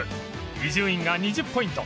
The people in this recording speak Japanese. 伊集院が２０ポイント